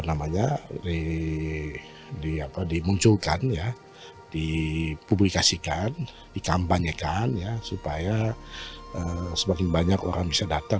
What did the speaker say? ini juga banyak objek objek yang perlu kita munculkan di publikasikan dikampanyekan supaya sebanyak orang bisa datang